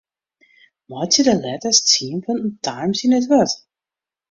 Meitsje de letters tsien punten Times yn it wurd.